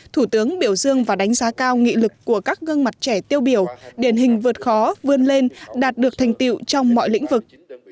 thủ tướng biểu dương và đánh giá cao nghị lực của các gương mặt trẻ tiêu biểu điển hình vượt khó vươn lên đạt được thành tiệu trong mọi lĩnh vực